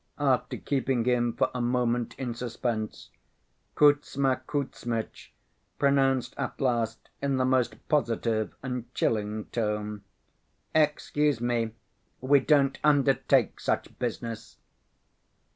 After keeping him for a moment in suspense, Kuzma Kuzmitch pronounced at last in the most positive and chilling tone: "Excuse me, we don't undertake such business."